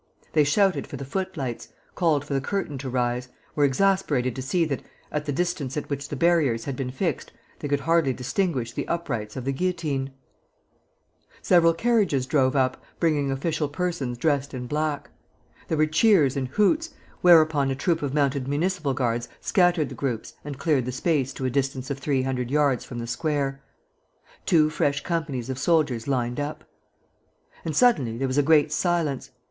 They shouted for the footlights, called for the curtain to rise, were exasperated to see that, at the distance at which the barriers had been fixed, they could hardly distinguish the uprights of the guillotine. Several carriages drove up, bringing official persons dressed in black. There were cheers and hoots, whereupon a troop of mounted municipal guards scattered the groups and cleared the space to a distance of three hundred yards from the square. Two fresh companies of soldiers lined up. And suddenly there was a great silence.